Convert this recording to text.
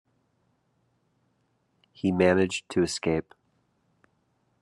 He managed to escape.